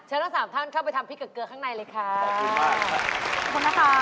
เชิญทั้ง๓ท่านเข้าไปทำพริกเก้าเกลือข้างในเลยครับ